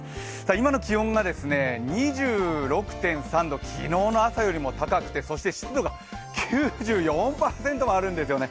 今の気温が２６．３度、昨日の朝よりも高くてそして湿度が９４％もあるんですよね。